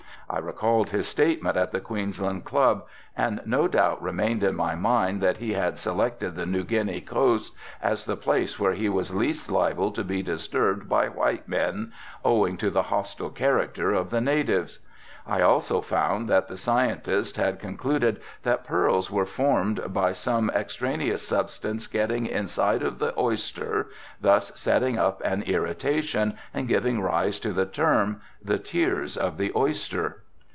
I recalled his statement at the Queensland Club and no doubt remained in my mind that he had selected the New Guinea coast as the place where he was least liable to be disturbed by white men, owing to the hostile character of the natives. I also found that the scientists had concluded that pearls were formed by some extraneous substance getting inside of the oyster, thus setting up an irritation and giving rise to the term, "The tears of the oyster."